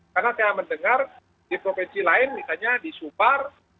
karena saya mendengar di provinsi lain misalnya disubar